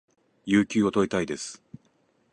有給を取りたいです